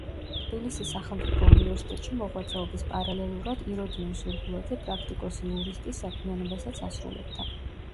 თბილისის სახელმწიფო უნივერსიტეტში მოღვაწეობის პარალელურად იროდიონ სურგულაძე პრაქტიკოსი იურისტის საქმიანობასაც ასრულებდა.